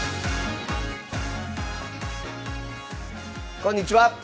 こんにちは。